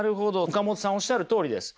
岡本さんおっしゃるとおりです。